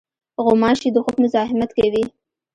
غوماشې د خوب مزاحمت کوي.